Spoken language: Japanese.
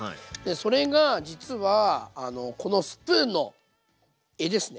それが実はこのスプーンの柄ですね